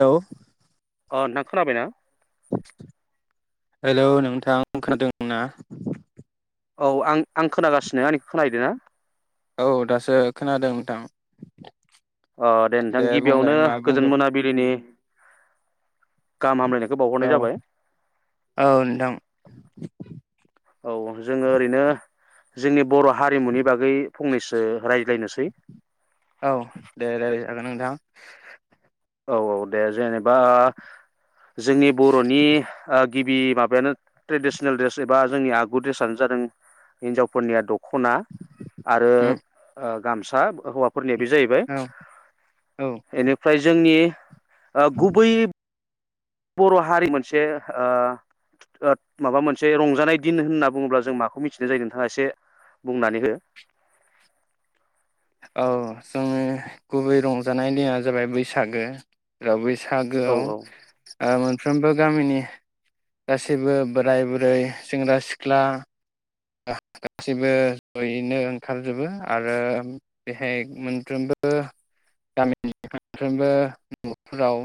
Hello. अ नोंथां खोनाबायना? हेलौ नोंथां खोनादों ना? औ आं आं खोनागासिनो आंनिखौ खोनाहैदो ना? औ दासो खोनादों नोंथां। अ दे नोंथां बुंलाय गिबियावनो मा गोजोन बुंगोन मोनाबिलिनि गाहाम हामलायनायखौ खौ औ बावहरनाय जाबाय। औ नोंथां औ जोङो ओरैनो जोंनि बर' हारिमुनि बागै फंनैसो रायज्लायनोसै। औ दे देे जागोन नोंथां। औ -औ -दे जेनेबा। बा जोंनि बर'नि ओ। गिबि माबायानो ट्रेडिसनेल ड्रेस एबा जोंनि आगु दड्रेसानो जादों हिनजावफोरनिया द खना आरो उम ओ। गामसा हौवा। फोरनिया बे जाहैबाय। औ औ एनिफ्राय जोंनि। ओ गुबै। बर' हारि मोनसे ओ- ओ- माबा मोनसे रंजानाय दिन होनना बुङोब्ला जों माखौ मिथिनाय जायो? नोंथाङा एसे बुंनानै हो। औ जोंनि गुबै रंजानाय दिङा जाबाय बैसागो बै औ बैसागोआव। ओ मोनफ्रोमबो गामिनि गासैबो बोराय बुरै सेंग्रा सिख्ला। गा [unintelligible] सैबो जयैनो ओंखारजोबो, आरो बेहाय मोनफ्रोमबो गामिनि मोनफ्रोमबो नखफोराव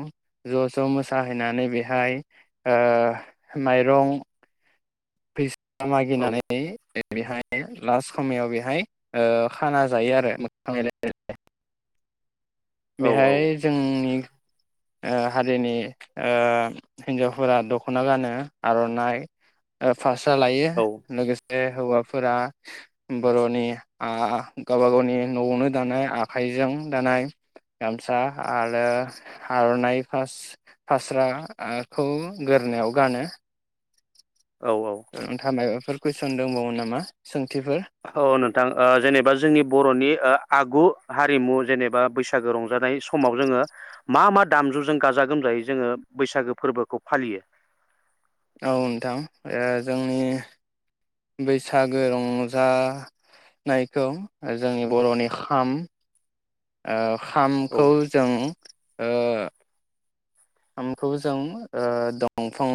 ज ज मोसाहैनानै बेहाय ओ माइरं फिस औ मागिनानै बेहाय लास्ट समाव बेहाय ओ खाना जायो आरो मोगा-मोगि। औ औ बेहाय जोंनि ओ हारिनि, ओ हिन्जावफोरा दखना गानो आरनाइ ओ फास्रा लायो औ लोगोसे हौवाफोर फोरा बरनि आ गावबा गावनि नआवनो दानाय आखाइजों दानाय गामसा आरो आरनाइ फास फास्रा आ खौ गोदोनायाव गानो। औ औ नोंथाङा मायबाफोर फोर कुइसन दंबावो नामा? सों औ नोंथां ओ जेनेबा जोंनि बरनि ओ आगु हारिमु जेनेबा बैसागो रंजानाय समाव जोङो मा मा दामजुजों गाजा गोमजायै जोङो बैसागो फोरबोखौ फालियो? औ नोंथां ओ जोंनि बैसागो रं जा नायखौ जोंनि बरनि खाम ओ औ खामखौ जों ओ खामखौ जों ओ दंफां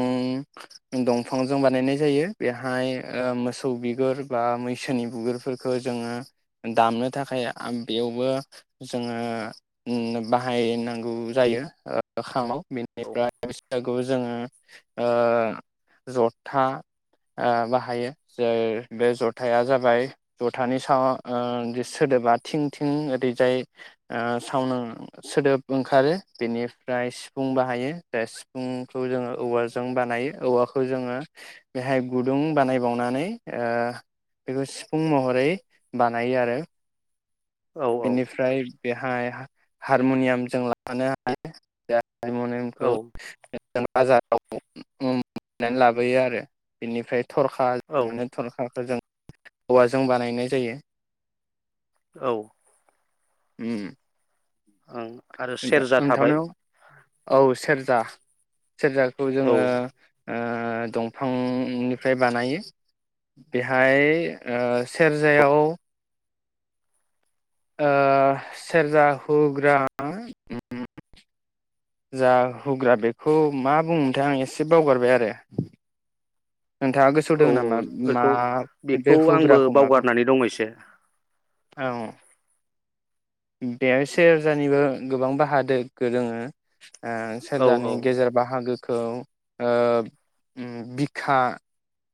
दंफांजों बानायनाय जायो, बेहाय ओ मोसौ बिगुर बा मैसोनि बिगुरफोरखौ जोङो दामनो थाखाय बेयावबो जोङो उम बाहायनांगौ जायो ओ खामाव। औ बेनिफ्राय बैसागुआव जोङो ओ जथा ओ बाहायो बे जथाया जाबाय जथानि सायाव ओ जि सोदोबा थिं थिं ओरैजाय ओ सावनो सोदोब ओंखारो। बेनिफ्राय सिफुं बाहायो, द सिफुंखौ जोङो औवाजों बानायो औवाखौ जोङो बेहाय गुदुं बानायबावनानै ओ बेखौ सिफुं महरै बानायो आरो। औ औ बिनिफ्रायाय बेहाय हाय हारमुनियाम जों लाफानो हायो‌‌। हारमनियामखौ औ [unintelligible] हेफाजाब नानै लाबोयो आरो बेनिफ्राय थरखा औ औ मे थरखाखौ जों औवाजों बानायनाय जायो औ उ आरो सेरजा थाबाय नोंथांनायाव औ सेर जा सेरजाखौ औ जोङो ओ दंफांनिफ्राय बानायो बेहाय ओ सेरजायाव ओ सेरजा हुग्रा उ जा हुग्रा बेखौ मा बुंङोमोनथाय आं एसे बावगारबाय आरो नोंथाङा गोसोआव औ दंङ नामा औ मा बेखौ बेखौ बे आंबो होग्राखौ मा बुं बावगारनानै दं एसे औ बेयाव सेरजानिबो गोबां बाहादो ग दङो ओ औ औ सोरजानि गेजेर बाहागो खौ ओ उम बिखा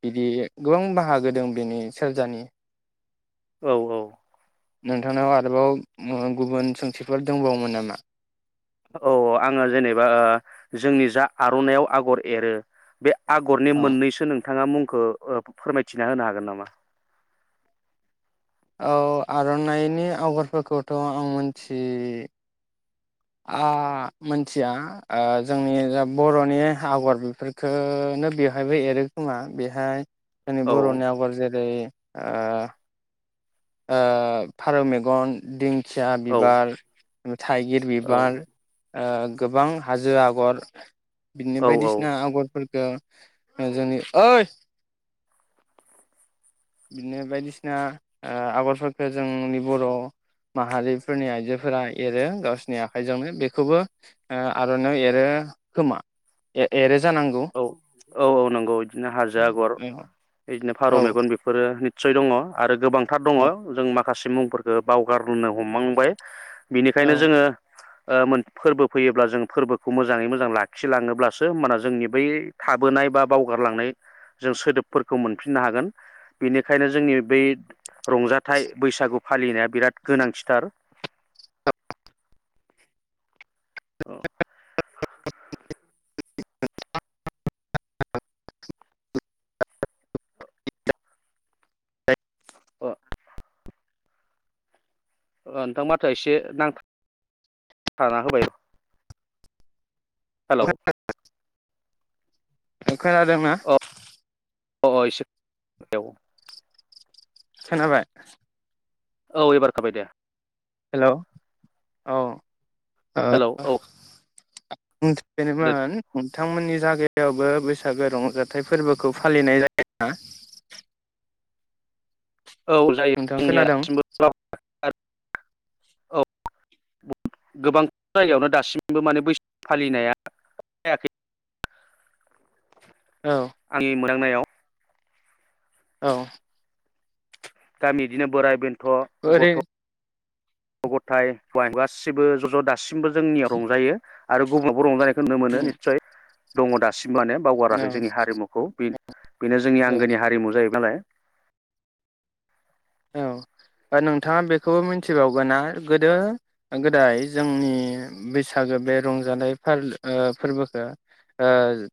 बिदि गोबां बाहागो दं बेनि सेरजानि औ औ नोंथांनाव आरोबाव गुबुन सोंथिफोर दंबावोमोन नामा औ आङो जेनेबा ओ जोंनि जा आर'नाइआव आगर एरो बे आगरनि औ मोननैसो नों थाङा मुंखो‌ ओ फोरमायथिना होनो हागोन नामा औ आर'नाइनि आवगरफोरखौथ' आं मोनथि आ मोनथिया ओ जोंनि जा बर'नि आगर बेखोनो बेवहायबो एरै खोमा बेहाय जोंनि औ बर'नि आगर जेरै ओ ओ फारौ मेगन दिं खिया औ बिबार थाइगिर औ बिबार ओ गोबां हाजो आगर बिदिनो औ बायदिसिना आगरफोर ओ जोंनि ओइ बिदिनो बायदिसिना ओ आगरफोरखो जोंनि बर' माहारिफोरनि आइजोफोरा एरो गावसिोरनि आखाइजोंनो बेखौबो ओ आर'नायाव एरो खोमा ए-एरो औ औ औ नोंगौ बिदिनो हाजो आगर बिदिनो औ फारौ मेगन बेफोरो निस्य दङ आरो गोबां थार दङो औ जों मा खासे मुंफोरखो बावगारोनो हमांबाय औ बिनिखायनो जोङो ओ मोन फोरबो फैयोब्ला जों फोरबोखौ मोजाङै मोजां लाखिलाङोब्लासो ओमबाना जोंनि बै थाबोनाय बा बावगारलांनाय जों सोदोबफोरखौ मोनफिननो हागोन बेनिखायनो जोंनि बै रंजाथाइ बैसागु फालिनाया बिराद गोनांथिथार। औ । [unintelligible] अ ओ नोंथां माथोआ एसे नां थाना होबाय र' हेलौ खोनादोंना? अ अ औ एसे [unintelligible] खोनाबाय औ एबारखाबाय दे हेलौ औ हेलौ औ [unintelligible] जेनेबा [unintelligible] नोंथांमोननि जागायावबो बैसागो रंजाथाइ फोरबोखौ फालिनाय जायोना? औ जायो नोंथां जोंनिया खोनादों सिमबो [unintelligible] औ ब गोबां जायगायावनो दासिमबो माने बैसागु फालिनाया जायाखै। औ आंनि मो दांनायाव । औ । गामि बिदिनो बोराय बेन्थ' ओरै गथ' थ' गथाय फ्रा गासिबो ज'ज' दा सिमबो जोंनियाव रंजायो। आरो गुबुन [unintelligible] होननो मोनो नितसय दङ दासि [unintelligible] औ बावगाराखै जोंनि हारिमुखौ बिन बेनो जोंनि औ आंगोनि हारिमु जाहैबाय नालाय औ दा नोंथाङा बेखौ मिथिबावबायना गोदो गोदाय जोंनि बैसागो बे रंजानाय फाल ओ फोरबोखो। ओ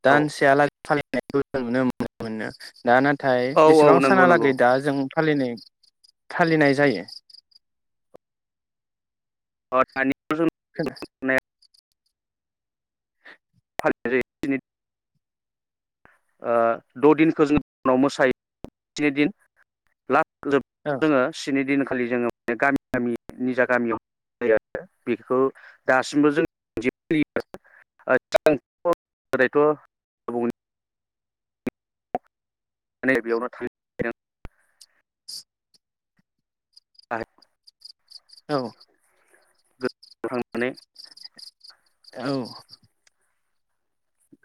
औ दानसेआ लागै फालि [unintelligible] नुनो मो न मोननो। दा नाथाय औ बेसेबां औ नंगौ नंगौ सानहालागै दा जों फालिनाय फालिनाय जायो। अ दानि। खोना ओ जायो [unintelligible] ओ द' दिनखौ जों [unintelligible] उनाव मोसायो [unintelligible] स्नि दिन ला फोजोब औ जोङो स्नि दिनख खालि जोङो [unintelligible] गामि गामि निजा गामियाव [unintelligible] बेखौ दासिमबो जों सोलियो [unintelligible] माने बेयावनो [unintelligible] [unintelligible] औ थांनानै औ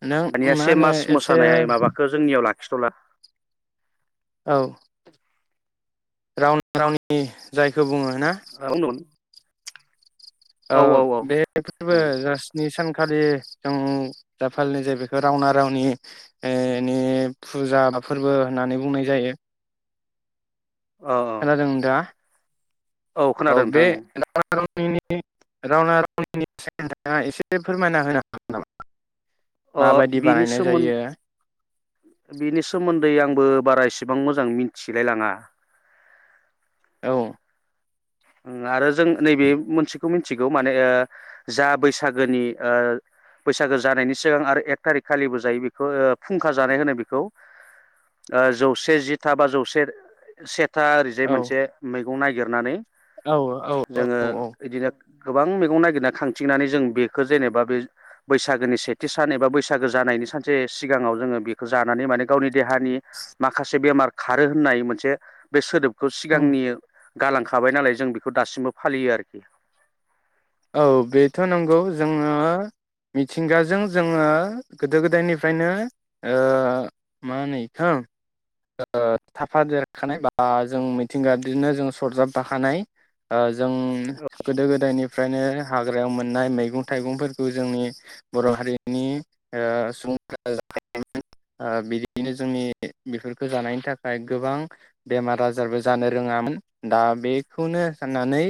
नों दानिया मा से होनो मास एसे मोसानाय माबाखो जोंनियाव लाखि खि थला औ रावनि रावनि जायखो बुङो ना उन उन औ बे फोरबो उम जा स्नि सानखा आ खालि जों जा फालिनाय जायो बेखौ रावना रावनि फुजा बा फोरबो होननानै बुंनाय जायो। औ खोनादों दा औ खोनादों बे नोंथां [unintelligible] [unintelligible] एसे फोरमायना होनो हागोन नामा? अ माबायदि बिनि बानायनाय सोमोन जायो? बिनि सोमोन्दै आंबो बारा इसेबां मोजां मिथिलायलाङा। औ आरो ज जों नैबे मोनसे खौ मोनथिगौ माने, जा बैसागोनि बैसागो जानायनि सिगां आरो एक थारिख खालिबो जायो बेखौ फुंखा जानाय होनो बेखौ। जौसे जिथा बा जौसे से था ओरैजाय औ मोनसे मै खौ ननायागिरनानै औ औ जोङो औ इदिनो गोबां मैगं नागिरना खांथिंनानै जों बेखौ जेनेबा बे बैसागोनि सेथि सान एबा बैसागो जानायनि सानसे सिगाङाव जोङो बेखौ जानानै माने गावनि देहानि माखासे बेमार खारो होननाय मोनसे बे सोदोब खौ औ सिगांनि गालांखा थाबाय नालाय जों बेखौ दासिमबो फालियो आरोखि। औ बेथ' नंगौ। जोङो मिथिंगाजों जोङो गोदो गोदायनिफ्रायनो, मा होनो बेखौ? थाफा देरखानाय बा जों मिथिंगाजोंनो जों सरजाब फाखानाय। जों गोदो गोदायनि फ्रायनो हाग्रायाव मोननाय मैगं थाइगंफोरखौ जोंनि बर' हारिनि सुबुंफोरा बिदिनो जोंनि बेफोरखौ जानायनि थाखाय गोबां बेमार आजारबो जानो रोङामोन दा बेखौनो साननानै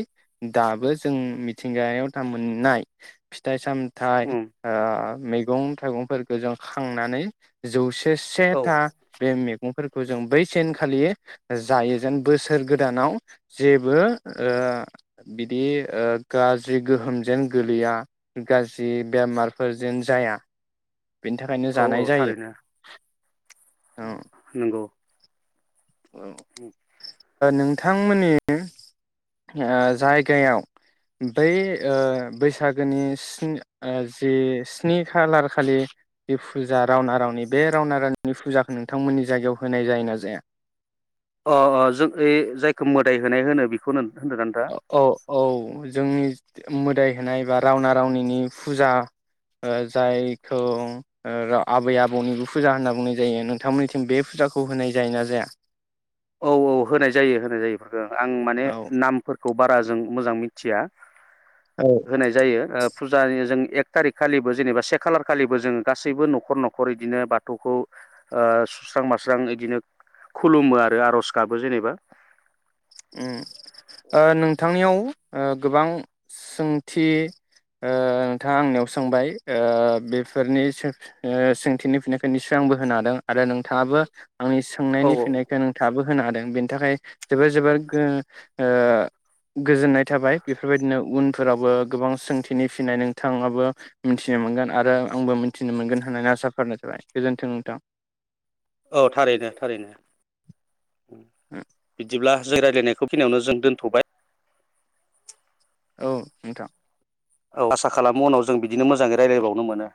दाबो जों मिथ थिंगायाव थाम मोननाय फिथाइ साम थाइ उम ओ मैगं थाइगंफोरखौ जों खांनानै जौसे से औ था बे मेग गंफोरखौ जों बै सेनखालि जायो जेन बोसोर गोदानाव जेबो ओ बिदि ओ गाज्रि गोहोमजों गोलैया गाज्रि बेमारफोरजों जाया। बेनि थाखायनो औ जानाय औ जायो थारैनो औ। नंगौ औ ओ नों। थांमोननि। ओ जायगायाव बै ओ बैसागोनि स्नि ओ जि स्नि खालार खालि जि फुजा रावना रावनि बे रावना रावनिनि फुजाखौ नोंथांमोननि जायगायाव होनाय जायो ना जाया। अ अ जों ओ जायखौ मोदाय होनाय होनो बेखौनो होनदोंना नोंथाङा [unintelligible] जोंनि मोदाय होनाय बा रावना रावनिनि फुजा ओ जायखौ ओ आबै आबौनिबो फुजा होनना बुंनाय जायो नोंथांमोननिथिं बे फुजाखौ होनाय जायो ना जाया। औ औ होनाय जायो होनाय जायो इफोरखौ आं माने औ नामफोर खौ बारा जों मोजां मिथिया। औ होनाय जायो ओ फुजानि जों एक थारिख खालिबो जेनेबा से खालार खालिबो जोङो गासैबो न'खर न'खर इदिनो बाथौखौ ओ सुस्रां मास्रां इदिनो खुलुमो ओ आर'ज गाबो जेनेबा। उम ओ नोंथांनियाव ओ गोबां सोंथि ओ नोंथाङा आंनियाव सोंबाय ओ बेफोरनि सो ओ सोंथिनि फिनायखौ निसय आंबो होनो हादों आरो नोंथाङाबो। आंनि औ सोंनायनि औ फिनायखौ नोंथाङाबो होनो हादों। बेनि थाखाय जोबोर जोबोर। गो ओ गोजोननाय थाबाय बेफोरबायदिनो। उनफोराबो गोबां सोंथि। नि फिनाय नोंथाङाबो मोनथिनो मोनगोन आरो आंबो थिनो मोनगोन होननानै आसा फारिनाय थाबाय। गोजोन्थों नोंथां। औ थारैनो थारैनो। बिदिब्ला। जों रायलायनायखौ बेखिनियावनो जों दोन्थ'बाय। औ नोंथां। औ आसा खालामो उनाव जों बिदिनो मोजाङै रायजलायबावनो मोनो।